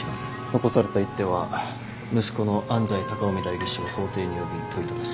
残された一手は息子の安斎高臣代議士を法廷に呼び問いただす。